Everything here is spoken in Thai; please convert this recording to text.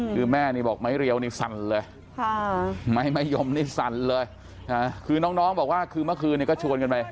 คือแม่นี่บอกไม้เรียวนี่สั่นเลยไม้ยมนี่สั่นเลยคือน้องบอกว่าคือเมื่อคืนนี้ก็ชวนกันไป